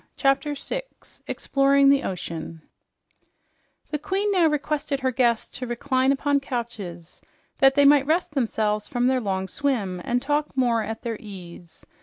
CHAPTER 6 EXPLORING THE OCEAN The queen now requested her guests to recline upon couches that they might rest themselves from their long swim and talk more at their ease.